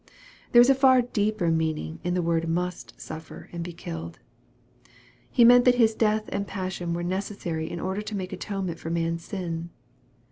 There is a far deeper meaning in the word " must" suffer and be killed. He meant that His death and passion were necessary in order to make atonement for man's sin.